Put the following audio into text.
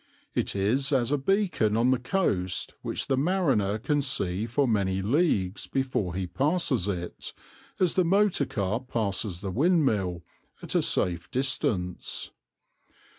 It is as a beacon on the coast which the mariner can see for many leagues before he passes it, as the motor car passes the windmill, at a safe distance.